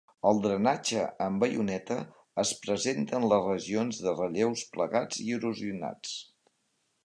El drenatge en baioneta es presenta en les regions de relleus plegats i erosionats.